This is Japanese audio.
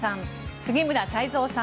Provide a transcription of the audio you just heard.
杉村太蔵さん